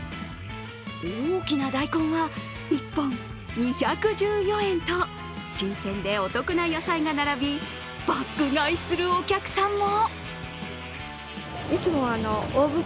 大きな大根は１本２１４円と新鮮でお得な野菜が並び、爆買いするお客さんも。